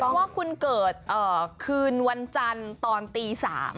เพราะว่าคุณเกิดคืนวันจันทร์ตอนตี๓